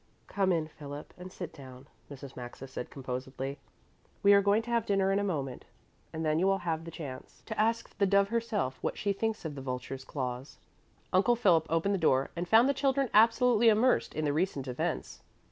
"Come in, Philip and sit down," Mrs. Maxa said composedly. "We are going to have dinner in a moment, and then you will have the chance to ask the dove herself what she thinks of the vulture's claws." Uncle Philip opened the door and found the children absolutely immersed in the recent events.